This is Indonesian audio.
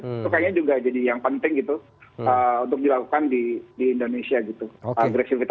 itu kayaknya juga jadi yang penting gitu untuk dilakukan di indonesia gitu